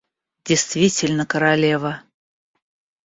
Действительно королева!